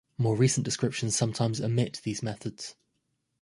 More recent descriptions sometimes omit these methods.